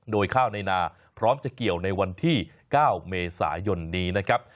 โดยข้าวในนาพร้อมจะเกี่ยวในวันที่๙เมษายนนี้นะครับ